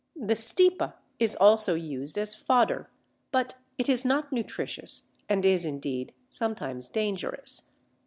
The Stipa is also used as fodder, but it is not nutritious and is indeed sometimes dangerous.